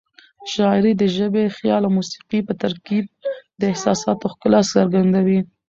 شاعري د ژبې، خیال او موسيقۍ په ترکیب د احساساتو ښکلا څرګندوي.